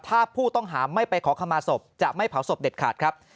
ถ้าผู้ต้องหาไม่ไปขอขมาศพจะไม่เผาศพเด็ดขาดครับ